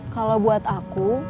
kalau buat aku